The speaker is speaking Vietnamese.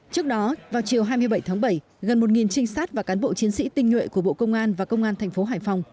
trước đó vào chiều hai mươi bảy tháng bảy gần một trinh sát và cán bộ chiến sĩ tinh nhuệ của bộ công an và công an thành phố hải phòng